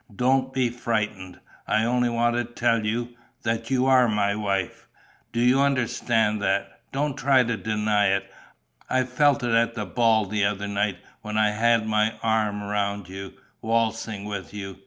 "Don't be frightened. I only wanted to tell you ... that you are my wife. Do you understand that? Don't try to deny it. I felt it at the ball the other night, when I had my arm round you, waltzing with you.